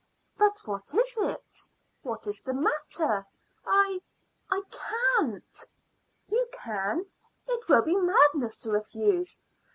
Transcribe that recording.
"But what is it? What is the matter?" "I I can't." "You can. It will be madness to refuse.